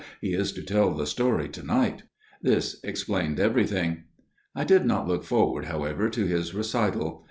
44 He is to tell the story to night." This explained everything. I did not look forward, however, to his recital.